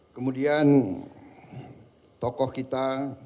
kemudian tokoh kita